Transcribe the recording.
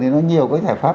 thì nó nhiều cái thải pháp